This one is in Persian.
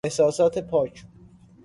احساسات پاک